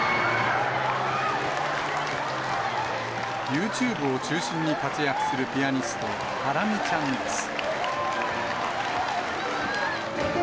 ユーチューブを中心に活躍するピアニスト、ハラミちゃんです。